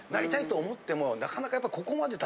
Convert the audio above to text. なかなかやっぱ。